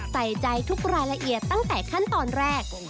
ใส่ใจทุกรายละเอียดตั้งแต่ขั้นตอนแรก